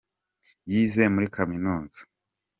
Yize muri Kaminuza.